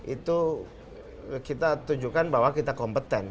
itu kita tunjukkan bahwa kita kompeten